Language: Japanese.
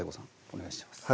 お願いします